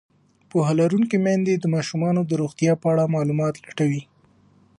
پوهه لرونکې میندې د ماشومانو د روغتیا په اړه معلومات لټوي.